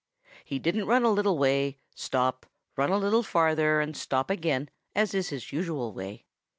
He didn't run a little way, stop, run a little farther and stop again, as is his usual way.